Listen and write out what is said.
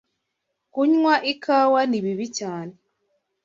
kunywa ikawa ni bibi cyane